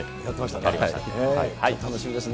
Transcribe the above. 楽しみですね。